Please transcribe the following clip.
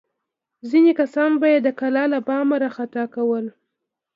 ځینې کسان به یې د کلا له بامه راخطا کول.